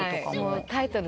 タイトル